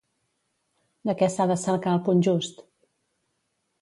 De què s'ha de cercar el punt just?